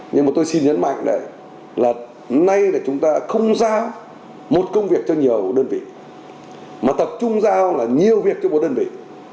nhưng mà tôi xin nhấn mạnh là nay là chúng ta không giao một công việc cho nhiều đơn vị mà tập trung giao là nhiều việc cho một đơn vị